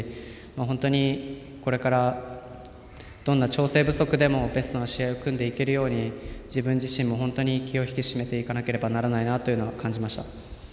本当にこれからどんな調整不足でもベストな試合を組んでいけるように自分自身も本当に気を引き締めていかねばならないなと感じました。